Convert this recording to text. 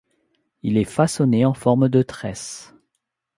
Il est façonné en forme de tresse.